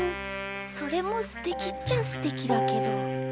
それもすてきっちゃすてきだけど。